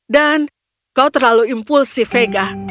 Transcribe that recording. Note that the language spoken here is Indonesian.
dan kau terlalu impulsif vega